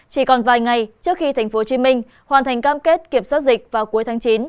chỉ còn vài ngày trước khi tp hcm hoàn thành cam kết kiểm soát dịch vào cuối tháng chín